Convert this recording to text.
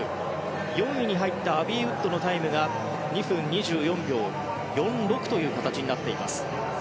４位のイギリスのウッドのタイムが２分２４秒４６という形になっています。